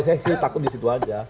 saya sih takut di situ aja